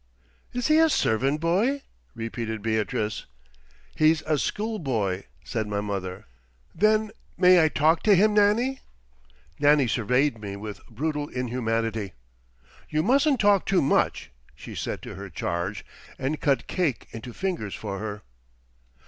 "Is he a servant boy?" repeated Beatrice. "He's a schoolboy," said my mother. "Then may I talk to him, Nannie?" Nannie surveyed me with brutal inhumanity. "You mustn't talk too much," she said to her charge, and cut cake into fingers for her.